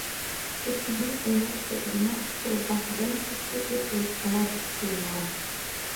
كۈسەننىڭ ئۇيغۇر سەكرىمە ئۇسسۇلىدا قەدەم ھەرىكىتى كۆپ بولۇش ئالاھىدىلىك قىلىنغان.